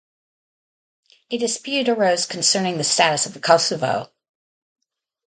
A dispute arose concerning the status of Kosovo.